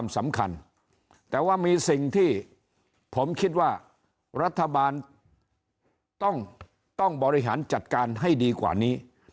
สำคัญแต่ว่ามีสิ่งที่ผมคิดว่ารัฐบาลต้องบริหารจัดการให้ดีกว่านี้